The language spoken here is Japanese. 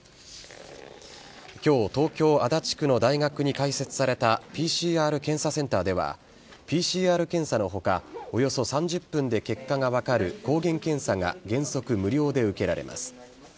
今日東京・足立区の大学に開設されたＰＣＲ検査センターではＰＣＲ検査の他およそ３０分で結果が分かる抗原検査が原則無料で受けられます。